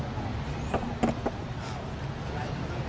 สวัสดีครับ